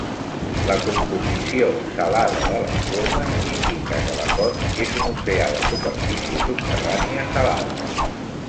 La composició "salada" de les plomes indica que la font és un oceà de superfície subterrània salada.